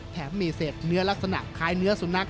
มีเศษเนื้อลักษณะคล้ายเนื้อสุนัข